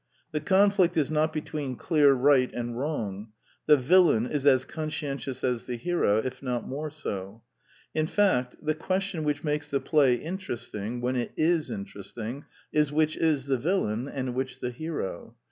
The conflict is not between clear right and wrong : the villain is as conscientious as the hero, if not more so: in fact, the question which makes the play interesting (when it is interesting) is which is the villain and which the hero.